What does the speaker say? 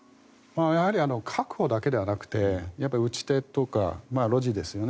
やはり確保だけではなくて打ち手とかロジですよね。